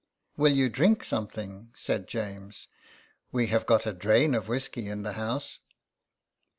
" Will you drink something ?" said James. *' We have got a drain of whiskey in the house."